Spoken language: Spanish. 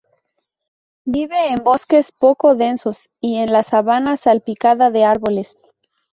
Vive en bosques poco densos y en la sabana salpicada de árboles.